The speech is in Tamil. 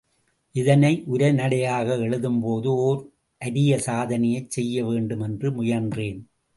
இதனை உரைநடையாக எழுதும் போது ஓர் அரிய சாதனையைச் செய்யவேண்டும் என்று முயன்றேன்.